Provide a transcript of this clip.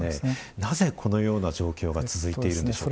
なぜ、このような状況が続いているんでしょうか。